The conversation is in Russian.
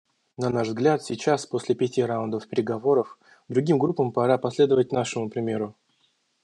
На наш взгляд, сейчас, после пяти раундов переговоров, другим группам пора последовать нашему примеру.